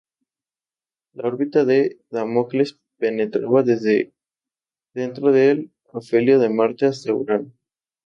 La órbita de Damocles penetraba desde dentro del afelio de Marte hasta Urano.